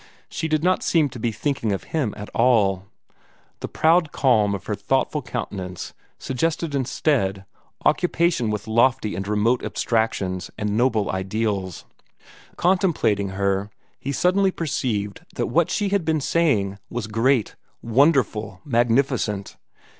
She did not seem to be thinking of him at all. The proud calm of her thoughtful countenance suggested instead occupation with lofty and remote abstractions and noble ideals. Contemplating her, he suddenly perceived that what she had been saying was great, wonderful, magnificent.